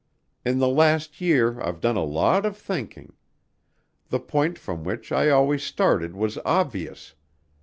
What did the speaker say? In the last year I've done a lot of thinking.... The point from which I always started was obvious.